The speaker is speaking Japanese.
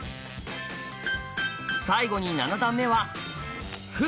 最後に七段目は歩。